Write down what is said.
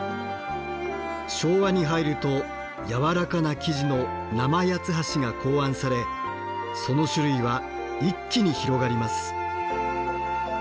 昭和に入るとやわらかな生地の生八ツ橋が考案されその種類は一気に広がります。